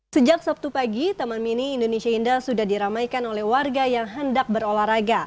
sejak sabtu pagi taman mini indonesia indah sudah diramaikan oleh warga yang hendak berolahraga